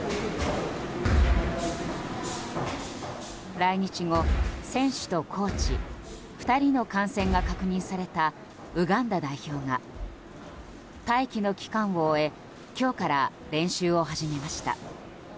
来日後、選手とコーチ２人の感染が確認されたウガンダ代表が待機の期間を終え今日から練習を始めました。